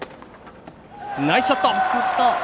ナイスショット！